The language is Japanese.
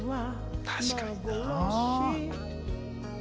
確かにな。